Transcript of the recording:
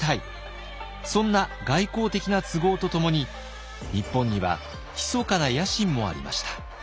そんな外交的な都合とともに日本にはひそかな野心もありました。